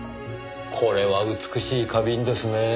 これは美しい花瓶ですねぇ。